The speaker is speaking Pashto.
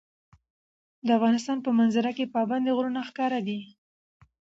د افغانستان په منظره کې پابندی غرونه ښکاره ده.